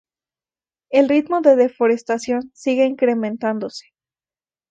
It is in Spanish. El ritmo de deforestación sigue incrementándose.